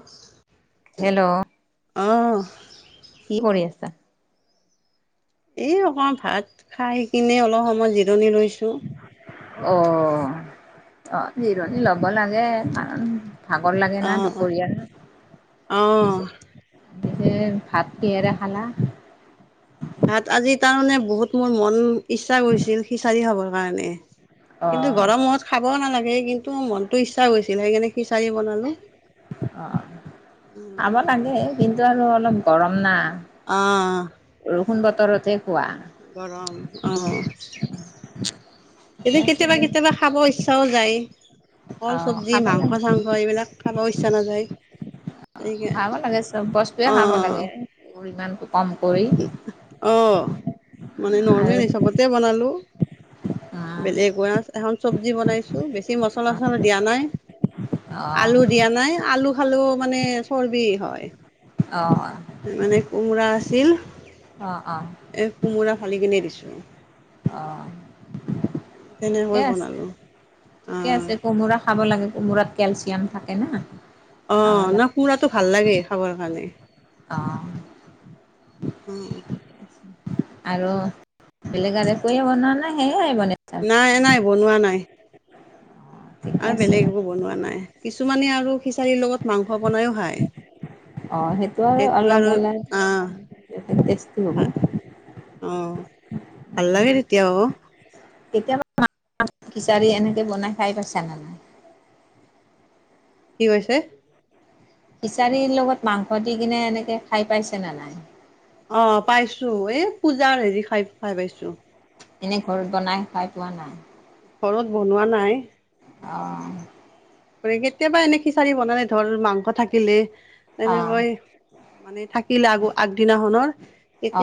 [inaudible] Hello, অহ', কি কৰি আছা? এই অকণ ভাত খাই কিনে অলপ সময় জিৰণি লৈছোঁ। অ', অ', জিৰণি লব লাগে কাৰণ ভাগৰ লাগে না অ', অ', দুপৰীয়াৰ। অ', পিছে -পিছে ভাত কিহেৰে খালা? ভাত আজি তাৰমানে বহুত মোৰ মন ইচ্ছা কৰিছিল খিচাৰি খাবৰ কাৰণে। অ কিন্তু গৰমত খাবও নালাগে কিন্তু মনটো ইচ্ছা গৈছিল সেইকাৰণে খিচাৰি বনালো। অ, খাব লাগে কিন্তু আৰু অলপ গৰম না। অ', বৰষুণ বতৰতহে খোৱা। গৰম অহ। [inaudible] এইযে কেতিয়াবা দে -কেতিয়াবা খাব ইচ্ছাও যায়। ফল, অ ছবজি, খাব লাগে মাংস- চাংস এইবিলাক খাবও ইচ্ছা নাযায়। খাব সেইকাৰণে লাগে চব বস্তুয়ে খাব লাগে পৰিমানটো কম কৰি। উম, অহ, মানে আৰু নৰ্মেল হিচাপতে বনালোঁ। অ বেলেগুৱাচ এখন চবজি বনাইছো বেছি মচলা- চছলা দিয়া নাই। অ আলু দিয়া নাই আলু খালো মানে চৰ্বি হয়। অ'! মানে, কোমোৰা আছিল। অ' অ'! এ, কোমোৰা ফালি কিনে দিছোঁ। অহ', ঠিকে তেনেকৈ আছে বনালোঁ -ঠিকে অঁ আছে কোমোৰা খাব লাগে কোমোৰাত কেলচিয়াম থাকে না। অ, খাব লাগে ন'সুৰাটো ভাল লাগে খাবৰ কাৰণে। অ'! উম! আৰু বেলেগ আৰু একোৱেই বনোৱা নাই, সেয়াই বনাইছে আৰু? নাই, নাই, বনোৱা নাই অঁ, ঠিকে আৰু আছে বেলেগ বনোৱা নাই। কিছুমানে আৰু খিচাৰীৰ লগত মাংস বনাইও খায়। অ'! সেইটো আৰু অলপ মানে, টেষ্টি হ'ব। অ'! ভাল লাগে তেতিয়াও। কেতিয়াবা খিচাৰী এনেকে বনাই খাই পাইছা নে নাই? কি কৈছে? খিচাৰীৰ লগত মাংস দি কিনে, এনেকে খাই পাইছে নে নাই? অ'! পাইছোঁ। এ, পূজাৰ হেৰি খাই -খাই পাইছোঁ। এনেই ঘৰত বনাই খাই পোৱা নাই? ঘৰত বনোৱা নাই। অ'! কেতিয়াবা, এনে খিচাৰি বনালে ধৰ, মাংস থাকিলে, অ এনেকৈ মানে, থাকিলে আগ আগদিনাখনৰ।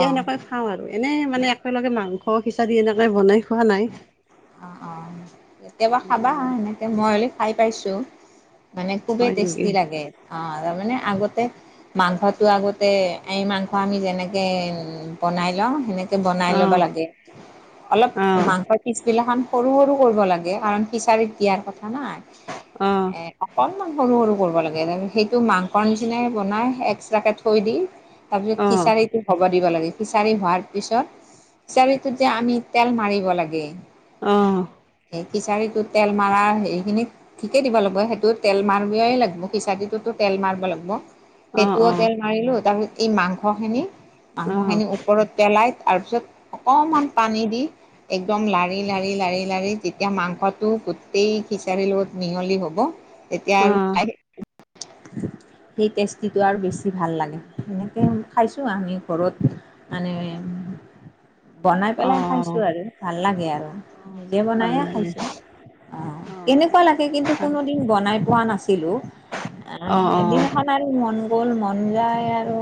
অ সেনেকৈ খাওঁ আৰু। এনেই মানে, একেলগে মাংস খিচাৰী এনেকে বনাই খোৱা নাই। অ' অ'! কেতিয়াবা খাবা হা? অঁ সেনেকে মই হ'লে খাই পাইছোঁ। মানে, খুবেই হয় টেষ্টি নেকি লাগে। অ'! তাৰমানে, আগতে মাংসটো আগতে, এই মাংস আমি যেনেকে বনাই লওঁ, সেনেকে বনাই ল'ব অঁ লাগে। অলপ অঁ মাংস পিচ বিলাখন সৰু- সৰু কৰিব লাগে। কাৰণ, খিচাৰীত দিয়া নাই। অঁ এ, অকণমান সৰু -সৰু কৰিব লাগে। সেইটো মাংস নিছিনাই বনাই। এক্সট্ৰাকে থৈ দি, তাৰপিছত, অঁ খিচাৰীটো হ'ব দিব লাগে। খিচাৰী হোৱাৰ পিছত, খিচাৰীটোত যে আমি, তেল মাৰিব লাগে। অ'! সেই, খিচাৰীটো তেল মাৰা সেইখিনিত ঠিকে দিব লাগিব। সেইটো তেল মাৰিবই লাগিব, খিচাৰিটোতো তেল মাৰিব লাগিব। অঁ সেইটোও তেল মাৰিলোঁ। তাৰপিছত, এই মাংস খিনি, অঁ মাংস খিনি ওপৰত পেলাই, তাৰ পিছত, অকমান পানী দি, একদম লাৰ লাৰি -লাৰি, লাৰি -লাৰি। তেতিয়া, মাংসটো গোটেই খিচাৰীৰ লগত মিহলি হ'ব। তেতিয়া অঁ অঁ আৰু [inaudible] সেই, টেষ্টিটো আৰু বেছি ভাল লাগে। সেনেকে, খাইছোঁ আমি ঘৰত। মানে, বনাই পেলাই অঁ খাইছোঁ আৰু ভাল লাগে আৰু। নিজে ভাল বনাইয়ে লাগে খাইছোঁ। অ'! অঁ কেনেকুৱা লাগে? কিন্তু, কোনোদিন বনাই পোৱা নাছিলোঁ। আঁ অঁ অঁ এদিন [unintelligible] আৰু মন গ'ল! মন যায় আৰু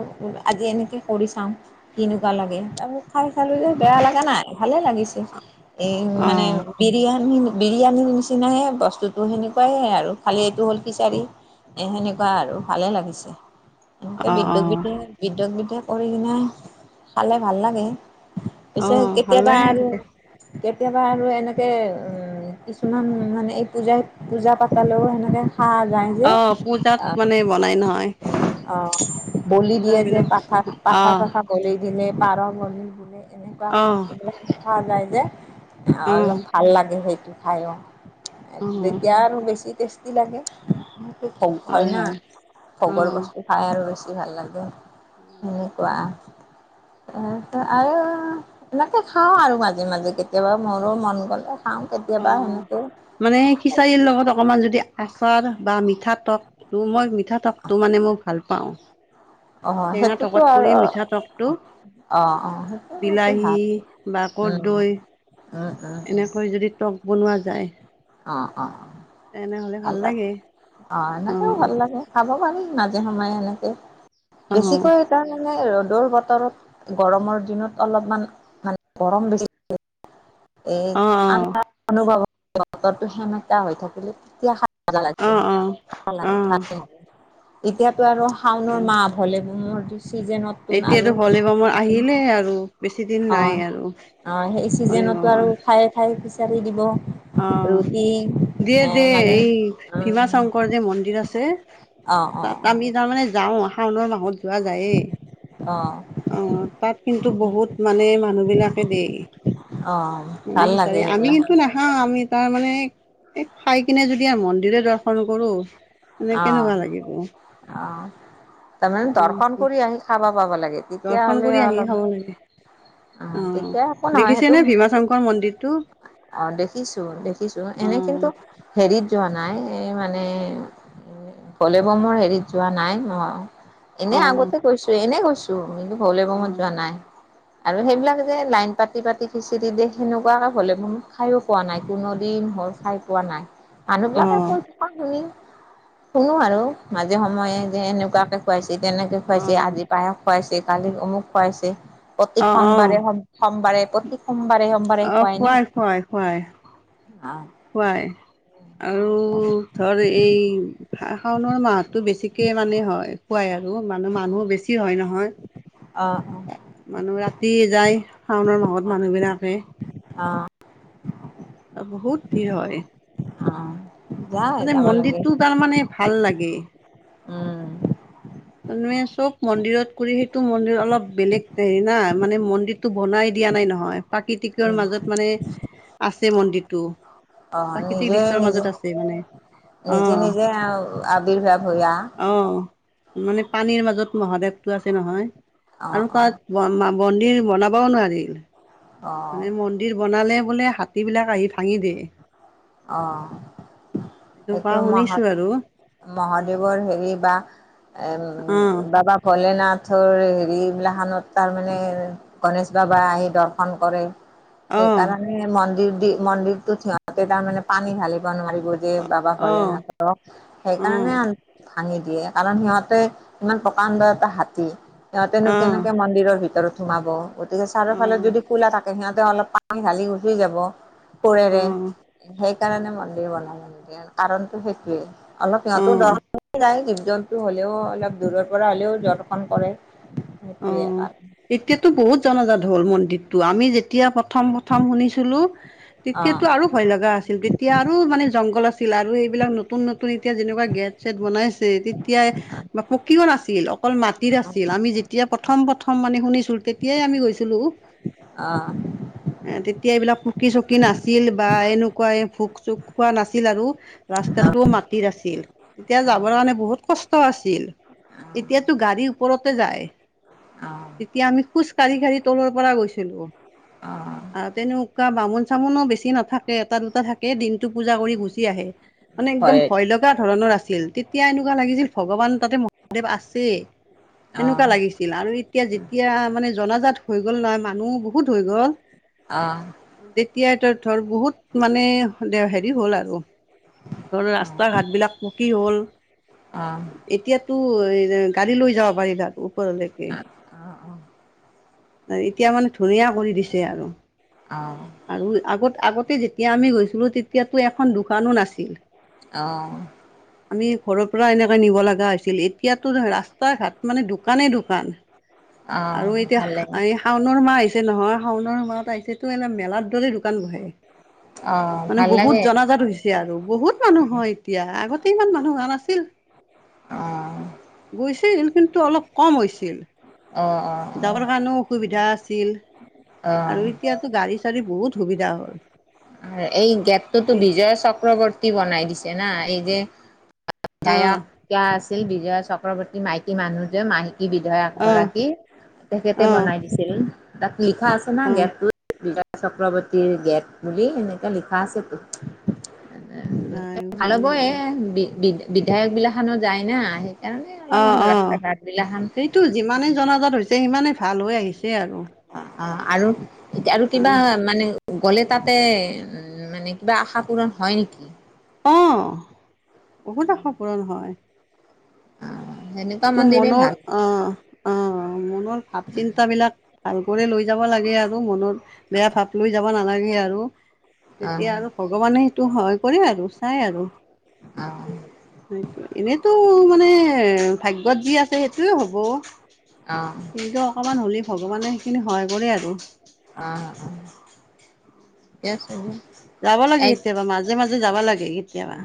আজি, এনেকে কৰি চাওঁ। কেনেকুৱা লাগে? তাৰ পাছত, খাই চালোঁ যে, বেয়া লাগা নাই, ভালেই লাগিছে। এই, অঁ মানে বিৰিয়ানী -বিৰিয়ানীৰ নিচিনাহে বস্তুটো, সেনেকুৱাই আৰু। খালী, এইটো হ'ল-খিচাৰী। এ, সেনেকুৱা আৰু ভালে লাগিছে। এনেকে অঁ বিদ্যু অঁ বিদে বিদ্যুক বিদে কৰি কিনে খালে ভাল লাগে। পিছে অঁ ভাল কেতিয়াবা লাগে আৰু কেতিয়াবা আৰু এনেকে কিছুমান মানে এই পূজাই পূজা পাতলেও সেনেকে খা যায়। যে অ পূজাত অ মানে বনাই নহয়। অ'! বলি দিয়ে যে, পূজাবিলাক পাঠা, পাঠা- অঁ চাঠা। বলি দিলে, পাৰ বলি দিলে, অঁ এনেকুৱাকৈ [unintelligible] ওলাই যে! অঁ অলপ ভাল লাগে সেইটো। খায় অ'! অঁ তেতিয়া আৰু বেছি টেষ্টি লাগে। [unintelligible] হয় না? খবৰ অঁ ল'বাচোন? খাই আৰু বেছি ভাল লাগে সেনেকুৱা। ত আও এনেকে খাওঁ আৰু মাজে মাজে কেতিয়- কেতিয়াবা মোৰো মন গ'লে খাওঁ কেতিয়াবা অঁ সেনেকৈ। মানে খিচাৰীৰ লগত অকমান যদি আচৰ বা মিঠা টপ টো মই পিঠা টপটো মানে মই ভাল পাওঁ। অ টেঙা সেইটোতো টকত আৰু কৰি মিঠা তকটো অ অ সেইটো বিলাহী বা কদৈ অ অ। এনেকৈ যদি টক বনোৱা যায়। অ অ অ তেনেহ'লে ভাল লাগে অ এনেকেও অঁ ভাল লাগে। খাব পাৰিম মাজে সময়ে এনেকে অঁ বেছিকৈ তাৰ মানে ৰ'দৰ বতৰত গৰমৰ দিনত অলপমান মানে গৰম বেছি [inaudible] এ অঁ অঁ আন অনুভৱ বতৰটো সেমেকা হৈ থাকিলে তেতিয়া মজা লাগব অঁ অঁ ভাল লাগে অঁ ভাল লাগে এতিয়াতো আৰু শাওণৰ অঁ মাহ ভলে মৰটি চিজেনত। এতিয়াতো ভলে বামৰ আহিলে আৰু। বেছি দিন অ নাই আৰু অ সেই চিজনতো আৰু ভলীবমৰ খায়ে খায়ে বিচাৰি দিব। অ ৰুটি দিয়ে এ দিয়ে মানে এই ভীমা শংকৰ যে মন্দিৰ আছে। অ অ। অ তাত আমি তাৰমানে যাও শাওণৰ মাহত যোৱা যায়েই। অ। অহ তাত কিন্তু বহুত মানে মানুহবিলাকে দিয়ে গেই। অ মানে ভাল লাগে কিছাৰে আমি সেইবিলাক কিন্তু না- হা আমি তাৰ মানে খাই কিনে যদি মন্দিৰে দৰ্শন কৰো। মানে অ কেনেকুৱা লাগিব। অ তাৰমানে দৰ্শন কৰি আহি খাবা পাব লাগে দৰ্শন তেতিয়াহ'লে কৰি আহি অলপ খাব লাগে অহ অ তেতিয়া একো নহয় দেখিছে সেইটো নে ভীমা শংকৰ মন্দিৰটো অ দেখিছো দেখিছো অ এনে কিন্তু হেৰিত যোৱা নাই এ মানে কলে ব মৰ হেৰিত যোৱা নাই ম। এনে অ আগতে কৈছো এনে কৈছো কিন্তু ভলে অ বমত যোৱা নাই। আৰু সেইবিলাক যে লাইন পাতি পাতি খিচিৰি দিয়ে সেনেকুৱাকে হলে বম খাইও পোৱা নাই কোন দিন হ'ল। খাই পোৱা নাই মানুহ অ বিলাকে কৈ থকা শুনি শুনো আৰু মাজে সময়ে যে এনেকুৱাকে খুৱাইছে তেনেকে অ খুৱাইছে আজি পায়খ খুৱাইছে কালি অমুক খুৱাইছে প্ৰতি অ অ সোমবাৰে সোমবাৰে সোমবাৰে প্ৰতি সোমবাৰে সোমবাৰে অ খুৱাই না খুৱাই খুৱাই আহ খুৱাই আৰু ধৰ এই শাওণ মাহতটো বেছিকে মানে হয় খোৱাই আৰু মানে মানুহ বেছি হয় নহয়। অ। মানুহ ৰাতি যায় শাওনৰ মাহত মানুহ বিলাকে আ। আৰু বহুত ভিৰ হয়। আঁহ। মানে মন্দিৰটো তাৰমানে ভাল লাগে। উম মানুহে চব মন্দিৰত কৰি সেইটো মন্দিৰ অলপ বেলেগ হেৰি না মানে মন্দিৰ টো বনাই দিয়া নাই নহয় প্ৰাকৃতিকৰৰ মাজত মানে আছে মন্দিৰটো। অ', প্ৰাকৃতিক নিজে বিশ্বৰ নিজে মাজত আছে মানে। অ নিজে নিজে আও আৱিৰ্ভাৱ ভূঞা। অঁহ মানে পানীৰ মাজত মহাদেৱটো আছে নহয় অ', আৰু অ', তাত বন বন্দিৰ বনাবও নোৱাৰিল। অ', মানে মন্দিৰ বনালে বোলে হাতীবিলাক আহি ভাঙি দিয়ে। অ কোৱা এইটো শুনিছোঁ মাহত আৰু মহাদেৱৰ হেৰি বা এম অ অ বাবা ভলেনাথৰ হেৰি এইবিলাখানত তাৰমানে গণেশ বাবা আহি দৰ্শন কৰে। অ সেইকাৰণে মন্দিৰ দি মন্দিৰতটোত সিহঁতে তাৰমানে পানী ঢালিব নোৱাৰিব যে বাবা অ ভলেনাথক, অ সেইকাৰণে ভাঙি দিয়ে কাৰণ সিহঁতে ইমান প্ৰকাণ্ড এটা হাতী। অ সিহঁতেনো কেনেকে মন্দিৰৰ ভিতৰত সোমাব, গতিকে চাৰৰ অ ফালত যদি কো'লা থাকে সিহঁতে অলপমান ঢালি গুচি যাব অ কোৰেৰে। সেই কাৰণে মন্দিৰ বনাব নিদিয়ে কাৰণতো সেইটোৱেই, অলপ সিহঁতো অ অ দশ নাই জীৱ-জন্তু টো হ'লেও অলপ দূৰৰ পৰা হ'লেও দৰ্শন কৰে অ সেইটোৱে কাৰণ। এতিয়াতো বহুত জনজাত হল মন্দিৰটো, আমি যেতিয়া প্ৰথম প্ৰথম শুনিছিলো, তেতিয়াতো অ' আৰু ভয় লগা আছিল, তেতিয়া আৰু মানে জংঘল আছিল আৰু এইবিলাক নতুন নতুন এতিয়া যেনেকুৱা গেট ছেট বনাইছে তেতিয়াই পকীও নাছিল, অকল মাটিত আছিল আমি যেত তিয়া প্ৰথম প্ৰথম মানে শুনিছিলো, তেতিয়াই আমি গৈছিলোঁ। অ [inaudible] তেতিয়া এইবিলাক পুকী-চুকী নাছিল বা এনেকুৱা এই পোক-চোক খোৱা নাছিল আৰু ৰাস্তাটোও মাটিৰ আছিল, তেতিয়া যাবৰ কাৰণে বহুত কষ্ট আছিল। এতিয়াতো গাড়ীৰ ওপৰতে যায়। অ' তেতিয়া আমি খোজ কাঢ়ি কাঢ়ি তলৰ পৰা গৈছিলোঁ। অ' আৰু তেনেকুৱা বামুণ চামুণো বেছি নাথাকে এটা দুটা থাকে, দিনটো পূজা কৰি গুচি আহে। মানে একদম হয় ভয় লগা ধৰণৰ আছিল, এতিয়া এনেকুৱা লাগিছিল ভগৱান তাতে মহাদেৱ আছে, তেনকুৱা অ' লাগিছ ছিল আৰু এতিয়া যেতিয়া মানে জনাজাত হৈ গ'ল নহয় মানুহ বহুত হৈ গ'ল, অঁহ। তেতিয়া ত ধৰ বহুত মানে হেৰি হল আৰু। ধৰা ৰাস্তা-ঘাট বিলাক পকী হ'ল। অঁহ। এতিয়াতো গাড়ী লৈ যাব পাৰি তাত ওপৰলৈকে। অ এতিয়া মানে ধুনীয়া কৰি দিছে আৰু। অঁ। আৰু আগত আগতে যেতিয়া আমি গৈছিলোঁ তেতিয়াতো এখন দোকানো নাছিল। অঁহ। আমি ঘৰৰ পৰা এনেকে নিব লগা হৈছিল, এতিয়াতো ৰাস্তা-ঘাট মানে দোকানে দোকান। অ আৰু এতিয়া ভাল লাগে এই শাওণ মাহ আহিছে নহয়, শাওণ মাহত আহিছে তটো এনে মেলাৰ দৰে দোকান বহে, অ মানে ভাল লাগে বহুত জনাজাত হৈছ এতিয়া আৰু বহুত মানুহ হয় এতিয়া, আগতে ইমান মানুহ হোৱা নাছিল। অ গৈছিল কিন্তু অলপ কম হৈছিল। অ অ। যাবৰ কাৰণেও অসুবিধা আছিল অ অ আৰু এতিয়াতো গাড়ী চাড়ী বহুত সুবিধা হ'ল। এই গেটটোতো বিজয় চক্ৰৱৰ্তী বনাই দিছে না এই যে [unintelligible] অ', বিধায়ক আছিল বিজয়া চক্ৰৱৰ্তী মাইকী মানুহ যে মাই কি বিধায়ক অ', গৰাকী তেখেতে অ', বনাই দিছিল, তাক লিখা আছে না অ', গেটটোত। বিজয়া চক্ৰৱৰ্তীৰ গেট বুলি এনেকা লিখা আছে তো। নাই শুনা ভাল'ব এ নাই। বি বি বিধায়ক বিলাখানো যায় না সেইকাৰণে অলপমান ৰাস্তা ঘাট বিলা খান এইটো যিমানে জনাজাত হৈছে সিমানে ভাল হৈ আহিছে আৰু। অ অ আৰু আৰু অ কিবা মানে গ'লে তাতে উম মানে কিবা আশা পূৰণ হয় নেকি? অ বহুত আশা পূৰণ হয়। অ সেনেকুৱা তোৰ মন্দিৰে মনৰ ভাল অহ। অ মনৰ ভাৱ চিন্তাবিলাক ভাল কৰি লৈ যাব লাগে আৰু মনৰ বেয়া ভাৱ লৈ যাব নালাগে আৰু অ তেতিয়া আৰু ভগৱানে সেইটো হয় কৰে আৰু চাই আৰু। অহ। হয়তো, এনেতো মানে ভাগ্যত যি আছে সেইটোয়ে হ'ব। অ কিন্তু অকণমান হ'লে, ভগৱানে সেইখিনি সহায় কৰে আৰু। অ অ ঠিকে আছে যাব লাগে এই কেতিয়াবা মাজে মাজে যাব লাগে কেতিয়াবা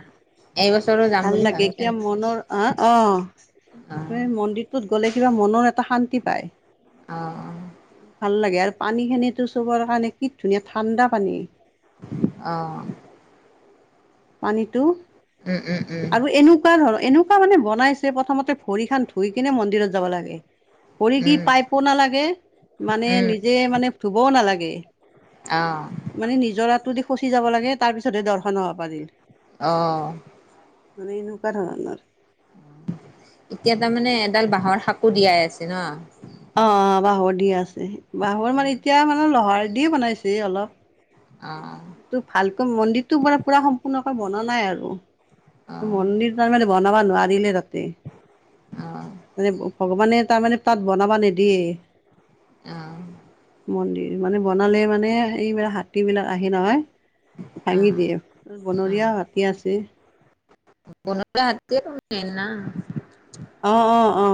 এইবছৰো যাম ভাল বুলি লাগে ভাবিছা এতিয়া নেকি? মনৰ অ অ মন্দিৰটোত এ গ'লে কিবা মনৰ কিবা শান্তি পায়। অ ভাল লাগে আৰু পানীখিনিতো চবৰ কাৰণে কি ধুনীয়া ঠাণ্ডা পানী। অ পানীতো উম উম উম আৰু এনেকোৱা ধৰ এনেকোৱা মানে বনাই ছে প্ৰথমতে ভৰি খন ধুই কিনে মন্দিৰত যাব লাগে। ভৰি কি উম পাইপো নালাগে মানে উম নিজে মানে ধুবও নালাগে। অ মানে নিজৰাতো দি খচি যাব লাগে তাৰ পিছতহে দৰ্শন হ'ব পাৰি। অ মানে এনেকোৱা ধৰণৰ। এতিয়া তাৰমানে এডাল বাঁহৰ সাঁকো দিয়াই আছে ন। অ অ বাঁহৰ দিয়া আছে। বাঁহৰ মানে এতিয়া মানে লহাৰ দিয়ে বনাইছে অলপ। অ টো ভালকৈ মন্দিৰটো মানে পুৰা সম্পূৰ্ণকৈ বনা নাই আৰু। অ মন্দিৰ তাৰমানে বনাব নোৱাৰিলে তাতে। অ মানে ভগৱানে তাৰমানে তাত বনাবা নিদিয়ে। অ মন্দিৰ মানে বনালে মানে এইবিলাক হাতী বিলাক আহে নহয়। অ ভাঙি দিয়ে অ অ'। বনৰীয়া হাতী আছে। বনৰীয়া হাতীয়েতো দিয়ে ন। অ অ অ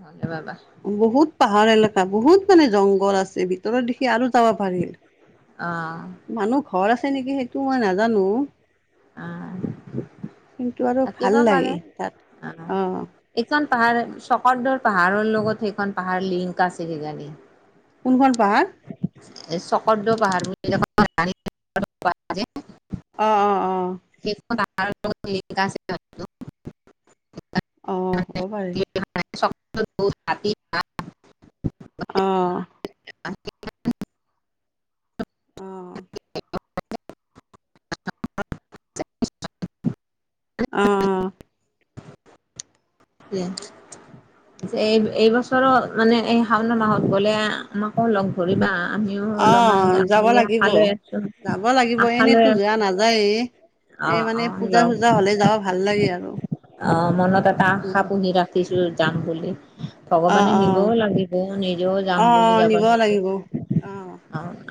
ভালে পাবা। বহুত পাহাৰ এলেকা বহুত মানে জংঘল আছে ভিতৰত দেখি আৰু যাব পাৰিল। অ মানুহ ঘৰ আছে নেকি সেইটো মই নাজানো। অ কিন্তু আৰু থাকিব ভাল পাৰে লাগে তাত অ অহ এইখন পাহাৰ চকদৰ পাহাৰৰ লগত সেইখন পাহাৰ লিংক আছে কিজানি কোনখন পাহাৰ চকদৰ পাহাৰ বুলিয়ে কয় [unintelligible] অ অ অ সেইখন আকাৰত টো লিখা আছে সেইটো অ হ'ব পাৰে। বহুত হাতী। অ অ'হ। [unintelligible] অ'হ, অ'হ। এই এইবছৰত মানে এই শাওনা মাহত গলে আমাক কো লগ ধৰিবা আমিও অলপমান অ' যাম বুলি যাব বুলি আশা লাগিব, লৈ আছো যাব লাগিব আশা লৈ এনেইতো আছো [unintelligible] অ এই অ মানে ল পূজা চূজা হ'লে যাব ভাল লাগে আৰু। অ মনত এটা আশা পু পুহি ৰাখিছো যাম বুলি অ' ভগৱানে নিবও অ' লাগিব নিজেও যাম বুলি অ' যাব নিব নোৱাৰো লাগিব অ